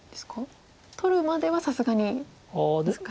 取るまではさすがに難しい？